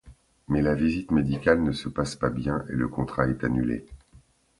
Mais, la visite médicale ne se passe pas bien et le contrat est annulé.